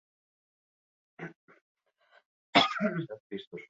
Bestalde, bertara doan bidegorri bat ere badago.